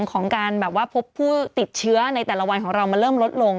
ของการแบบว่าพบผู้ติดเชื้อในแต่ละวันของเรามันเริ่มลดลง